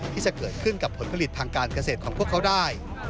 ที่จะเกิดขึ้นกับผลผลิตทางการเกษตรของพวกเขาได้